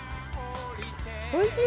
おいしい！